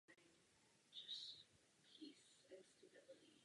A zde to všechno začíná.